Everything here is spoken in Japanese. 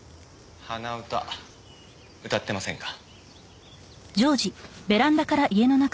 鼻歌歌ってませんか？